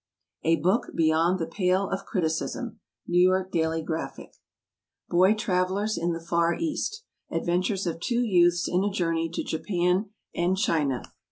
_ "A book beyond the pale of criticism." N. Y. DAILY GRAPHIC. Boy Travellers in the Far East. ADVENTURES OF TWO YOUTHS IN A JOURNEY TO JAPAN AND CHINA.